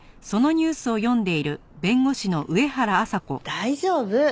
大丈夫。